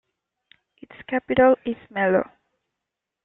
Its capital is Melo.